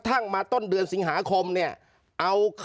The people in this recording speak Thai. เจ้าหน้าที่แรงงานของไต้หวันบอก